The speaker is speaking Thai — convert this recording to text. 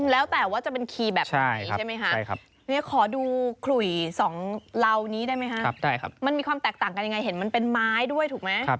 แล้วแต่ว่าจะเป็นคีย์แบบนี้ใช่ไหมครับ